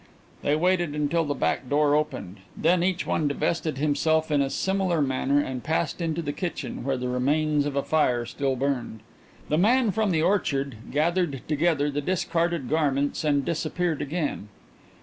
They waited until the back door opened, then each one divested himself in a similar manner and passed into the kitchen, where the remains of a fire still burned. The man from the orchard gathered together the discarded garments and disappeared again.